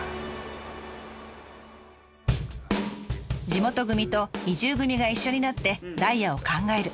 地元組と移住組が一緒になってダイヤを考える。